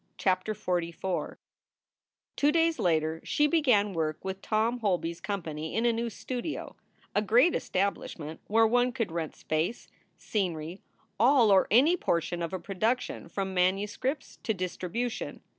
CHAPTER XLIV TWO days later she began work with Tom Holby s com pany in a new studio a great establishment where one could rent space, scenery, all or any portion of a production from manuscripts to distribution.